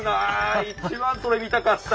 一番それ見たかった！